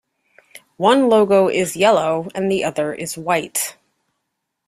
One logo is yellow and the other is white.